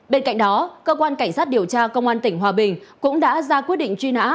bên cạnh đó cơ quan cảnh sát điều tra công an tỉnh hòa bình cũng đã ra quyết định truy nã